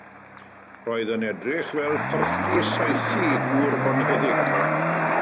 Roedd yn edrych fel porthdy saethu gŵr bonheddig.